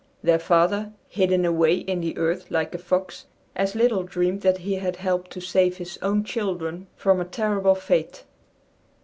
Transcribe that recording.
Their father, hidden away, in the earth like a fox, as little dreamed that he had helped to save his own children from a terrible fate.